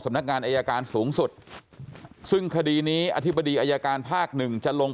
นักงานอายการสูงสุดซึ่งคดีนี้อธิบดีอายการภาคหนึ่งจะลง